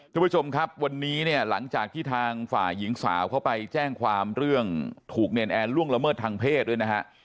คุณผู้ชมครับวันนี้เนี่ยหลังจากที่ทางฝ่ายหญิงสาวเขาไปแจ้งความเรื่องถูกเนรนแอร์ล่วงละเมิดทางเพศด้วยนะฮะ